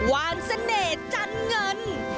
วานเสน่ห์จันเงิน